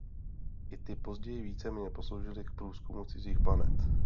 I ty později víceméně posloužily k průzkumu cizích planet.